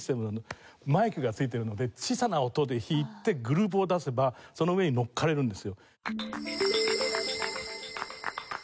マイクが付いてるので小さな音で弾いてグルーヴを出せばその上に乗っかれるんですよ。